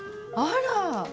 あら！